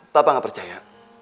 papa gak percaya